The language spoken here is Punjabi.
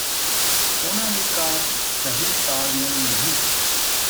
ਉਨ੍ਹਾਂ ਵਿਚਕਾਰ ਸਹੀ ਤਾਲਮੇਲ ਨਹੀਂ ਸੀ